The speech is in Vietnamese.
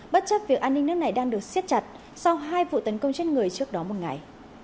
bất chấp việc an ninh nước này đang được siết chặt sau hai vụ tấn công trên người trước đó một ngày